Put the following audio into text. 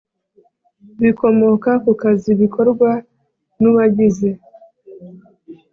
bikomoka ku kazi bikorwa n uwagize